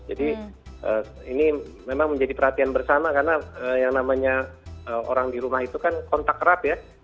jadi ini memang menjadi perhatian bersama karena yang namanya orang di rumah itu kan kontak kerap ya